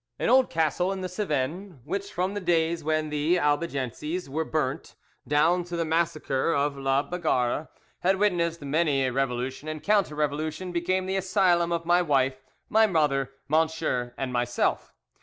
"An old castle in the Cevennes, which from the days when the Albigenses were burnt, down to the massacre of La Bagarre, had witnessed many a revolution and counter revolution, became the asylum of my wife, my mother, M______, and myself.